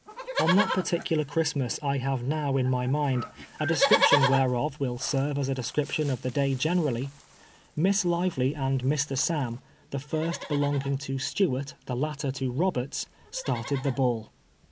On that particular Christmas I have now in my mind, a description whereof 'will serve as a descrip tion of the day generally, Miss Lively and Mr. Sam, the first belonging to Stewart, the latter to Eoherts, started the hail.